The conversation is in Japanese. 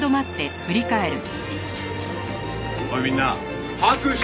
おいみんな拍手！